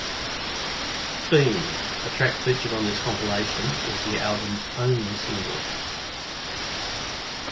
"Fiend", a track featured on this compilation, is the album's only single.